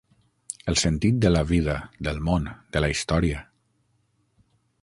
El sentit de la vida, del món, de la història.